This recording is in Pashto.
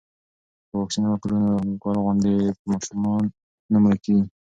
که واکسین وکړو نو ګل غوندې ماشومان نه مړه کیږي.